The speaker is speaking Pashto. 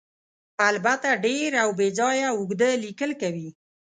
البته ډېر او بې ځایه اوږده لیکل کوي.